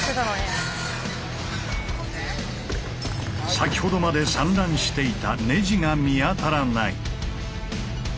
先ほどまで散乱していたネジが見当たらない。